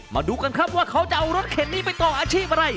มาดูกันครับว่าเขาจะเอารถเข็นนี้ไปต่ออาชีพอะไร